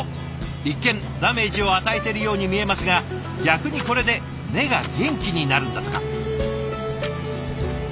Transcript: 一見ダメージを与えてるように見えますが逆にこれで根が元気になるんだとか。